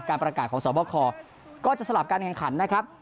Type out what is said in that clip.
ประกาศของสวบคก็จะสลับการแข่งขันนะครับ